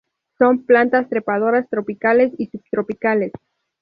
Son plantas trepadoras tropicales y subtropicales.